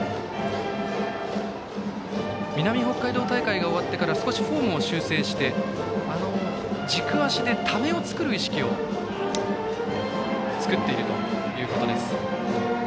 南北海道大会が終わってから少しフォームを修正して、軸足でためを作る意識を作っているということです。